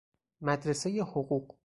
مدرسۀ حقوق